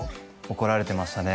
怒られてましたね